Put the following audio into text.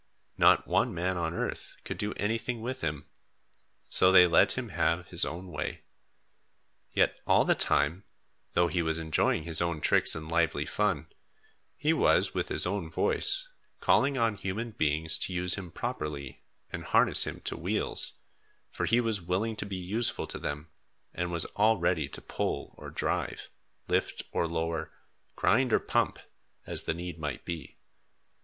Not one man on earth could do anything with him. So they let him have his own way. Yet all the time, though he was enjoying his own tricks and lively fun, he was, with his own voice, calling on human beings to use him properly, and harness him to wheels; for he was willing to be useful to them, and was all ready to pull or drive, lift or lower, grind or pump, as the need might be.